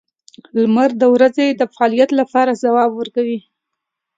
• لمر د ورځې د فعالیت لپاره ځواب ورکوي.